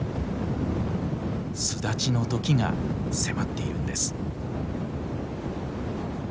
巣立ちの時が迫っているんです。